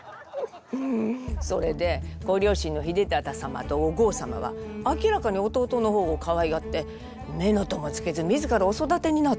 それでご両親の秀忠様とお江様は明らかに弟の方をかわいがって乳母もつけず自らお育てになっていたの。